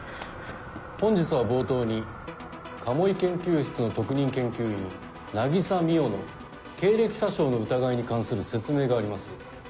本日は冒頭に鴨居研究室の特任研究員渚海音の経歴詐称の疑いに関する説明があります。